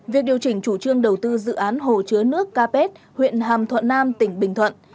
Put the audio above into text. việc điều chỉnh chủ trương đầu tư dự án hồ chứa nước capet huyện hàm thuận nam tỉnh bình thuận